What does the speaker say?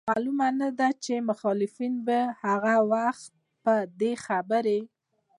معلومه نه ده چي مخالفينو به هغه وخت په دې خبري